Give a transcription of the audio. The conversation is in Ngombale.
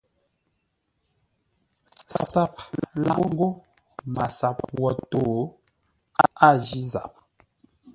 SAP laʼ ńgó MASAP wo tó, a jí zap.